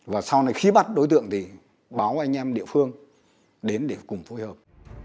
và sau này khi bắt đối tượng thì báo anh em địa phương đến để cùng phối hợp